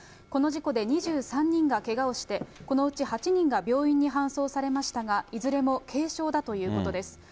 この事故で２３人がけがをして、このうち８人が病院に搬送されましたが、いずれも軽傷だということです。